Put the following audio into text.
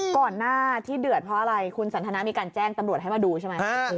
ก่อนหน้าที่เดือดเพราะอะไรคุณสันทนามีการแจ้งตำรวจให้มาดูใช่ไหม